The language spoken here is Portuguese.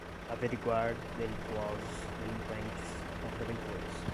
averiguar, delituosos, delinquentes, contraventores